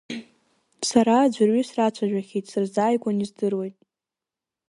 Сара аӡәырҩы срацәажәахьеит, сырзааигәан издыруеит.